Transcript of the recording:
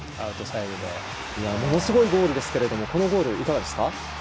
ものすごいゴールですがこのゴールいかがですか？